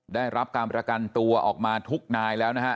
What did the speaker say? ได้รับการประกันตัวออกมาทุกนายแล้วนะฮะ